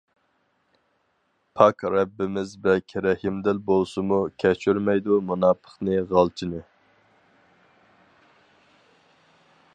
پاك رەببىمىز بەك رەھىمدىل بولسىمۇ، كەچۈرمەيدۇ مۇناپىقنى غالچىنى.